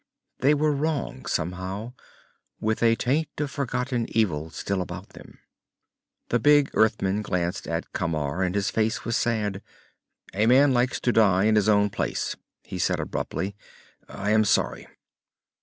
They were wrong, somehow, with a taint of forgotten evil still about them. The big Earthman glanced at Camar, and his face was sad. "A man likes to die in his own place," he said abruptly. "I am sorry."